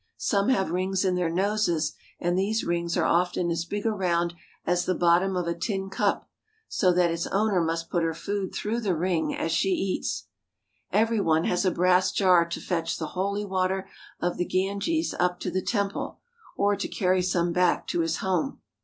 Some have rings in their noses, and these " All have anklets of silver or gold." 280 THE RELIGIONS OF INDIA rings are often as big around as the bottom of a tin cup, so that its owner must put her food through the ring as she eats. Every one has a brass jar to fetch the holy water of the Ganges up to the temple, or to carry some back to his home.